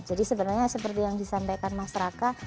jadi sebenarnya seperti yang disampaikan mas raka